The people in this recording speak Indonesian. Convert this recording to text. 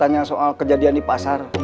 takut ditanya soal kejadian di pasar